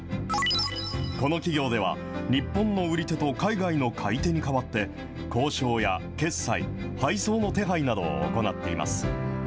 この企業では、日本の売り手と海外の買い手に代わって、交渉や決済、配送の手配などを行っています。